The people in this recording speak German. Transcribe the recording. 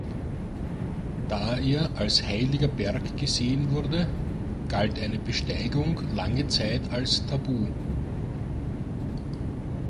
Da er als Heiliger Berg gesehen wurde, galt eine Besteigung lange Zeit als tabu.